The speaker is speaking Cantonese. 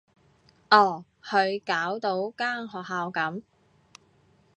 哦，佢搞到間學校噉